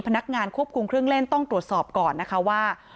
พนักงานควบคุมเครื่องเล่นต้องตรวจสอบก่อนนะคะว่า